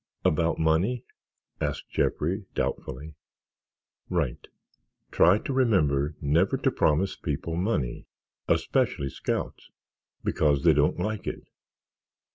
"About money?" asked Jeffrey, doubtfully. "Right. Try to remember never to promise people money—especially scouts—because they don't like it.